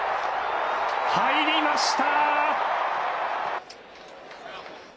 入りました。